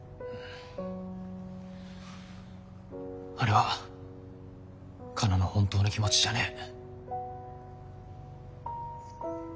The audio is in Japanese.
あれはカナの本当の気持ちじゃねえ。